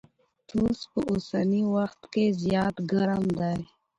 توس په اوسني وخت کي زيات ګرم دی.